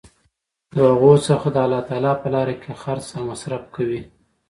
د هغو څخه د الله تعالی په لاره کي خرچ او مصر ف کوي